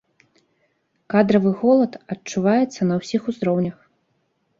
Кадравы голад адчуваецца на ўсіх узроўнях.